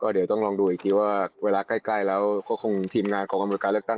เดี๋ยวต้องลองดูอีกทีว่าเวลาใกล้แล้วก็คงทีมงานของอำนวยการเลือกตั้ง